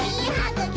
ぐき！